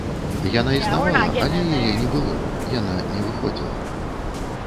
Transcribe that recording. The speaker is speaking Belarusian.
Яна існавала, але яе не было, яна не выходзіла.